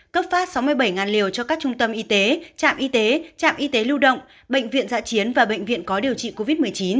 cấp phát sáu mươi bảy liều cho các trung tâm y tế trạm y tế trạm y tế lưu động bệnh viện dạ chiến và bệnh viện có điều trị covid một mươi chín